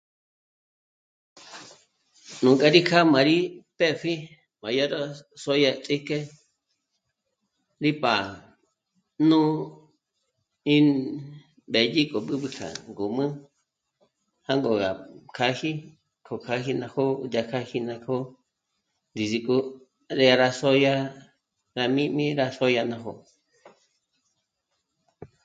Nú gá rí kjâjma rí pë́pji má dyá d'á sô'dya ts'íjke rí pà'a nú... ín... mbédyi k'o b'ǚb'ü kja ngǔmü jângo rá k'âji, k'o k'âji ná jó'o dyákjajij ná kjó'o ndízik'o nré rá sòdya rá jmī́jmī rá sòdya ná jó'o